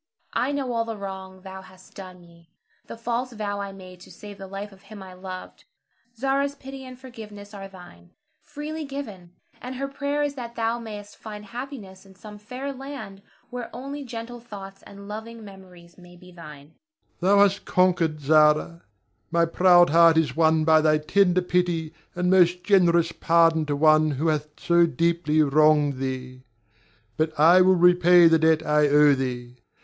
I know all the wrong thou hast done me, the false vow I made to save the life of him I loved. Zara's pity and forgiveness are thine, freely given; and her prayer is that thou mayst find happiness in some fair land where only gentle thoughts and loving memories may be thine. Ber. Thou hast conquered, Zara; my proud heart is won by thy tender pity and most generous pardon to one who hath so deeply wronged thee. But I will repay the debt I owe thee.